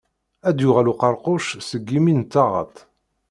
Ad d-yuɣal uqeṛquc seg imi n taɣaṭ.